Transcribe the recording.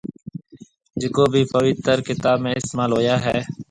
جڪو ڀِي پويتر ڪتاب ۾ اِستعمال هويا هيَ۔